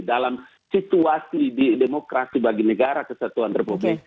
dalam situasi di demokrasi bagi negara kesatuan republik